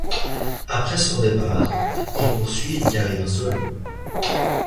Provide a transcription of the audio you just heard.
Après son départ, il poursuit une carrière solo.